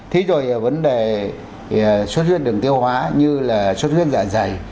thí rồi vấn đề sốt huyết đường tiêu hóa như là sốt huyết dạ dày